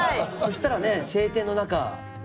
そしたらね晴天の中。